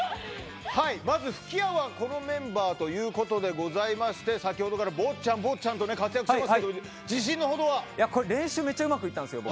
まず吹き矢はこのメンバーということですが先ほどから坊ちゃん坊ちゃんと活躍していますが練習めっちゃうまくいったんですよ。